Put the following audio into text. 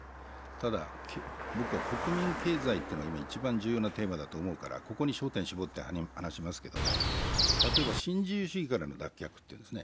ただ、国民経済というのが今一番重要なテーマだと思うからここに焦点を絞って話しますけれども、例えば新自由主義からの脱却というんですね。